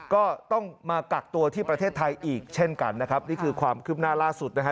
ก็ต้องมากักตัวที่ประเทศไทยอีกเช่นกันนะครับนี่คือความคืบหน้าล่าสุดนะฮะ